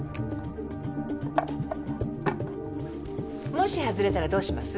もし外れたらどうします？